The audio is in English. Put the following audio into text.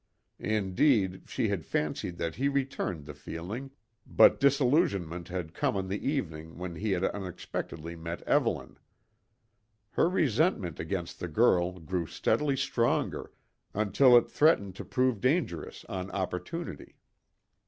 Indeed, she had fancied that he returned the feeling, but disillusionment had come on the evening when he had unexpectedly met Evelyn. Her resentment against the girl grew steadily stronger, until it threatened to prove dangerous on opportunity.